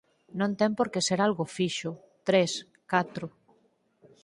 _Non ten por que ser algo fixo... tres, catro...